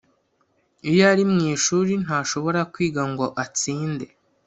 iyo ari mu ishuri, ntashobora kwiga ngo atsinde.